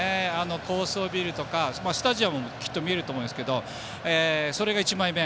高層ビルとかスタジアムとかもきっと見えると思うんですけどそれが１枚目。